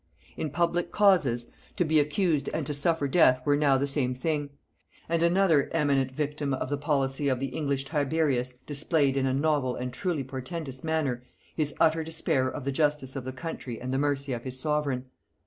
In public causes, to be accused and to suffer death were now the same thing; and another eminent victim of the policy of the English Tiberius displayed in a novel and truly portentous manner his utter despair of the justice of the country and the mercy of his sovereign.